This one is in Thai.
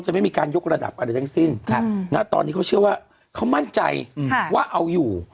ไม่มีการยกระดับอะไรทั้งสิ้นตอนนี้เขาเชื่อว่าเขามั่นใจว่าเอาอยู่